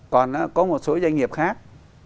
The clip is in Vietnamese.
còn có một số doanh nghiệp khác